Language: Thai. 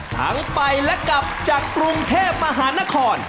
ทั้งไปและกลับจากกรุงเทพมหานคร